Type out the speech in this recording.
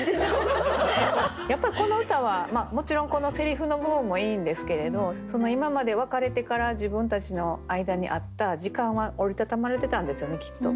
やっぱりこの歌はもちろんこのせりふの部分もいいんですけれど今まで別れてから自分たちの間にあった時間は折りたたまれてたんですよねきっと。